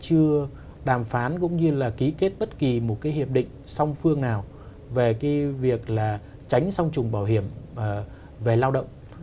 chưa đàm phán cũng như là ký kết bất kỳ một cái hiệp định song phương nào về cái việc là tránh song trùng bảo hiểm về lao động